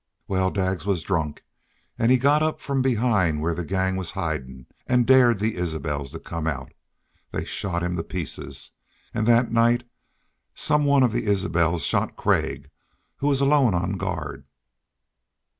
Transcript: "Wal, Daggs was drunk, an' he got up from behind where the gang was hidin', an' dared the Isbels to come out. They shot him to pieces. An' thet night some one of the Isbels shot Craig, who was alone on guard....